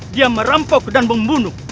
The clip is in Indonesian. dia merampok dan membunuh